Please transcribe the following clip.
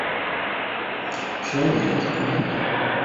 Шунан яр өҫтөндәге